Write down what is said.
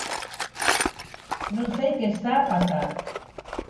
Non sei que está a pasar.